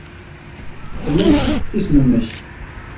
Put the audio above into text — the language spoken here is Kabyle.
Telliḍ tseffḍeḍ isem-nnek.